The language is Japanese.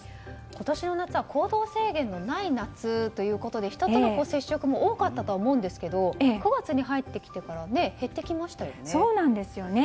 今年の夏は行動制限のない夏ということで人との接触も多かったと思うんですけど９月に入ってきてから減ってきましたよね。